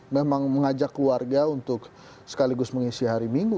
memang mengajak keluarga untuk sekaligus mengisi hari minggu